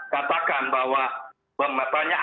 katakan bahwa banyak